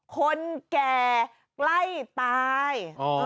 คนแก่ใกล้ตาย